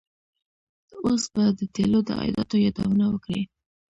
اوس به د تیلو د عایداتو یادونه وکړي.